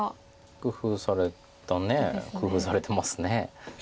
工夫された工夫されてます。